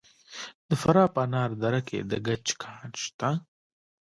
د فراه په انار دره کې د ګچ کان شته.